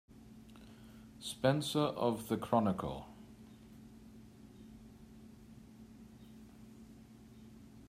Spencer of the Chronicle.